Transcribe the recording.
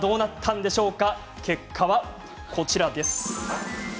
結果はこちらです。